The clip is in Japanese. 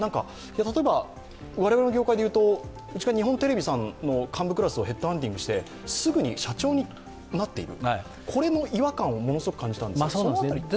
例えば、我々の業界でいうと、うちが日本テレビさんの幹部クラスをヘッドハンティングしてすぐに社長になっている、これの違和感をものすごく感じたんですけれども。